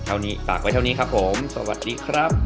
เท่านี้ฝากไว้เท่านี้ครับผมสวัสดีครับ